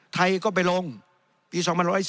ไทยก็ไปลงปี๒๑๔